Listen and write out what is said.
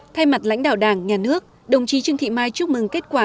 thay mặt lãnh đạo đảng nhà nước đồng chí trương thị mai chúc mừng kết quả